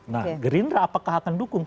nah gerindra apakah akan dukung